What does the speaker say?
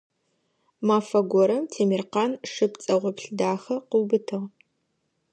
Мафэ горэм Темиркъан шы пцӀэгъоплъ дахэ къыубытыгъ.